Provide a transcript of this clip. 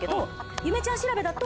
ゆめちゃん調べだと。